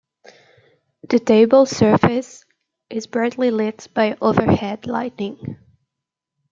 The table surface is brightly lit by overhead lighting.